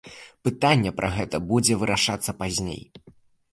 Пытанне пра гэта будзе вырашацца пазней.